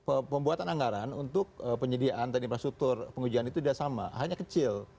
pembuatan anggaran untuk penyediaan dan infrastruktur pengujian itu sudah sama hanya kecil